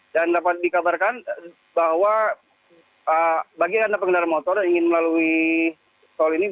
dan dapat dikabarkan bahwa bagi anda pengendara motor yang ingin melalui tol ini